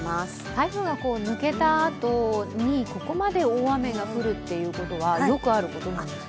台風が抜けたあと、ここまで大雨が降るというのはよくあることなんですか。